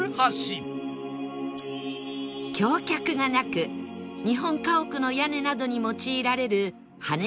橋脚がなく日本家屋の屋根などに用いられるはね